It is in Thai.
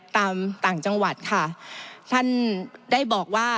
ต่างจังหวัดค่ะท่านได้บอกว่า